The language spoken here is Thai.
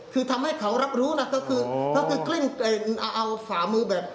คือทำให้เขารับรู้นะก็คือก็คือกลิ้งเอาฝ่ามือแบบ